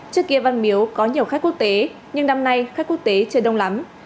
trước kia văn miếu có nhiều khách quốc tế nhưng năm nay khách quốc tế chưa đông lắm